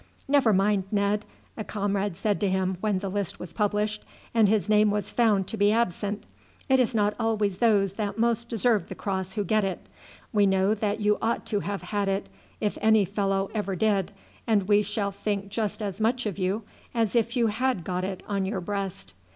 "Never mind, Ned," a comrade said to him when the list was published and his name was found to be absent. "It is not always those that most deserve the cross who get it. We know that you ought to have had it, if any fellow ever did, and we shall think just as much of you as if you had got it on your breast."